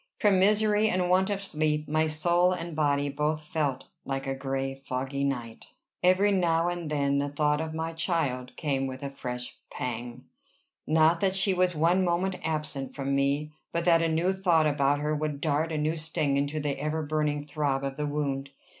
From misery and want of sleep, my soul and body both felt like a gray foggy night. Every now and then the thought of my child came with a fresh pang, not that she was one moment absent from me, but that a new thought about her would dart a new sting into the ever burning throb of the wound.